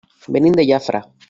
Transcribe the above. Venim de Jafre.